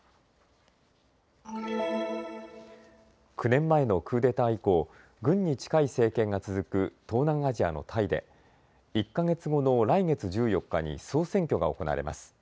９年前のクーデター以降、軍に近い政権が続く東南アジアのタイで１か月後の来月１４日に総選挙が行われます。